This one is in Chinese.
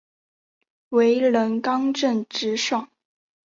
为人刚正直爽。